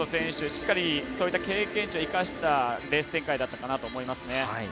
しっかり経験値を生かしたレース展開だったかなと思いますね。